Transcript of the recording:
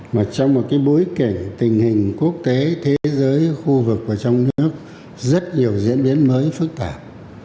mà trong một cái bối cảnh tình hình quốc tế thế giới khu vực và trong nước rất nhiều diễn biến mới phức tạp